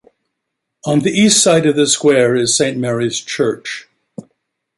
On the east side of the Square is Saint Mary's church.